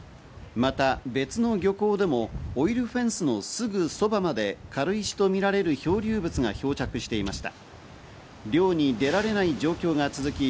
また別の漁港でもオイルフェンスのすぐそばまで、軽石とみられる漂流物が漂着していました。